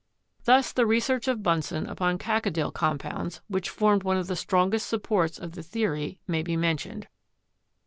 Thus, the research of Bunsen upon the cacodyl compounds, which formed one of the strongest supports of the theory, may be mentioned.